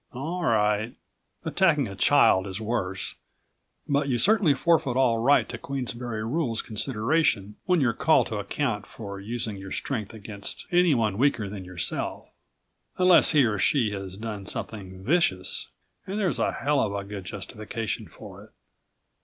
All right ... attacking a child is worse but you certainly forfeit all right to Queensberry Rules consideration when you're called to account for using your strength against anyone weaker than yourself, unless he or she has done something vicious and there's a hell of a good justification for it.